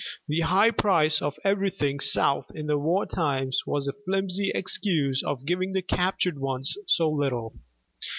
The high price of everything South in the war times was the flimsy excuse for giving the captured ones so little.